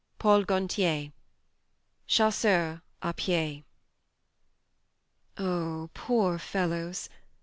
Paul Gantier, th Chasseurs a pied." " Oh, poor fellows